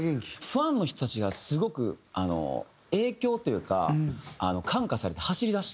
ファンの人たちがすごく影響というか感化されて走りだしてるんですね。